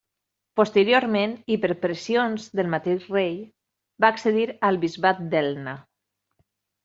Posteriorment, i per pressions del mateix rei, va accedir al bisbat d'Elna.